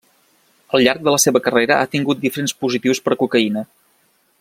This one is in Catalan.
Al llarg de la seva carrera ha tingut diferents positius per cocaïna.